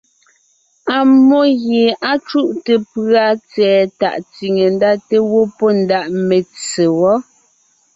Ammó gie á cúte pʉ̀a tsɛ̀ɛ tàʼ tsìne ndá te gẅɔ́ pɔ́ ndaʼ metse wɔ́.